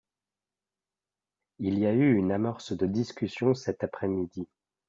Il y a eu une amorce de discussion cet après-midi.